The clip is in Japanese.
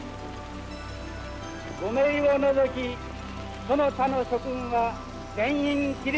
５名を除きその他の諸君は全員起立。